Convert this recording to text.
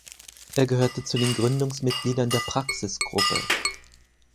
Er gehörte zu den Gründungsmitgliedern der Praxis-Gruppe.